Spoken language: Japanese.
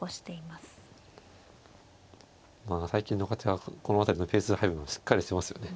まあ最近の若手はこの辺りのペース配分がしっかりしてますよね。